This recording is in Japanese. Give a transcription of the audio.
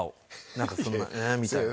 なんかそんな「ええ」みたいな。